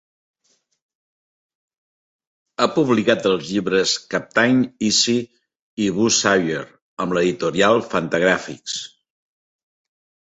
Ha publicat els llibres Captain Easy i Buz Sawyer amb l'editorial Fantagraphics.